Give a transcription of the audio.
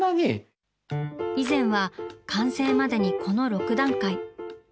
以前は完成までにこの６段階。